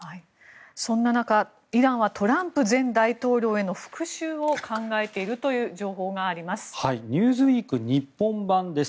そんな中、イランはトランプ前大統領への復しゅうを考えているという情報があります。